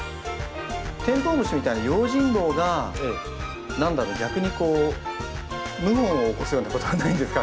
テントウムシみたいな用心棒が何だろう逆にこう謀反を起こすようなことはないんですか？